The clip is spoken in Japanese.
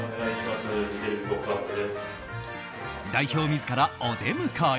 代表自らお出迎え。